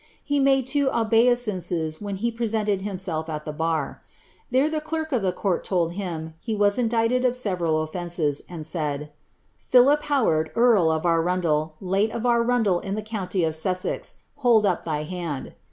He made two obeisances when he presented liiiiisejf at the bar. There the clerk of the court (old him he wa.* inilicied of several of fences, and said, '■ Philip Howard, earl of Arundel, late of AruniJel in the county of Sussex, hold up thy hand."